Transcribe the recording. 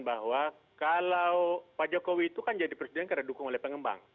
bahwa kalau pak jokowi itu kan jadi presiden karena dukung oleh pengembang